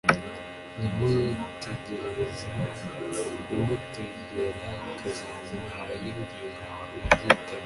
Nyamutegerakazaza arayibwira wibyitaho